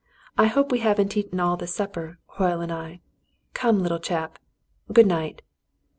I hope we haven't eaten all the supper, Hoyle and I. Come, little chap. Good night."